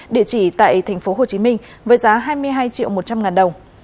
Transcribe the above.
địa chỉ tại tp hcm với giá hai mươi hai triệu một trăm linh ngàn đồng